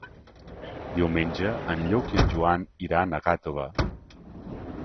Diumenge en Lluc i en Joan iran a Gàtova.